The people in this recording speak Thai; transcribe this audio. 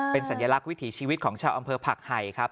เป็นสัญลักษณ์วิถีชีวิตของชาวอำเภอผักไห่ครับ